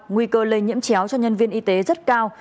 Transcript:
nguy cơ lây nhiễm chéo cho nhân viên y tế rất cao